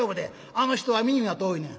あの人は耳が遠いねん」。